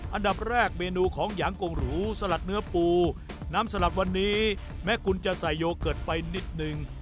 อันดับแรกเมนูของยางกงหรูสลัดเนื้อปูน้ำสลัดวันนี้แม้คุณจะใส่โยเกิร์ตไฟนิดนึง